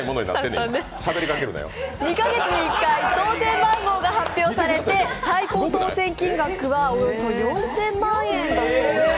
２カ月に１回、当せん番号が発表されて最高当選金額はおよそ４０００万円だそうです。